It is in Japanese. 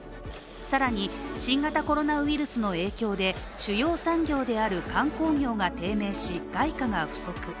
更に新型コロナウイルスの影響で主要産業である観光業が低迷し、外貨が不足。